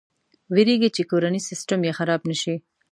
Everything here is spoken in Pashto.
ویرېږي چې کورنی سیسټم یې خراب نه شي.